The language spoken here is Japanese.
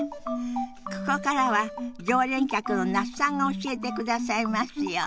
ここからは常連客の那須さんが教えてくださいますよ。